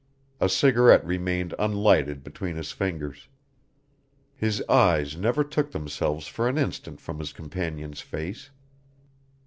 A cigarette remained unlighted between his fingers. His eyes never took themselves for an instant from his companion's face.